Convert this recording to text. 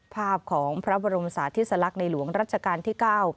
ภาพของพระบรมศาสติสลักษณ์ในหลวงรัชกาลที่๙